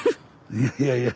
いやいやいや。